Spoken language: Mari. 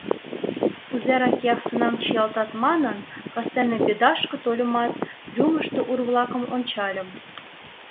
Кузерак яхтынам чиялтат манын, кастене «Бедашке» тольымат, трюмышто ур-влакым ончальым.